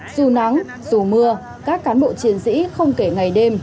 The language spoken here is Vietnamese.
dù nắng dù mưa các cán bộ chiến sĩ không kể ngày đêm